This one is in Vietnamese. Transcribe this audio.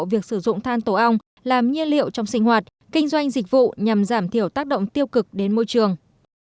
việc sử dụng than tổ ong làm nhiên liệu trong sinh hoạt kinh doanh dịch vụ nhằm giảm thiểu tác động tiêu cực đến môi trường